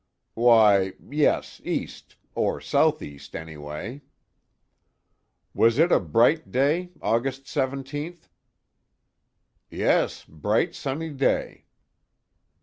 "Why yes, east, or south east anyway." "Was it a bright day, August 17th?" "Yes, bright sunny day."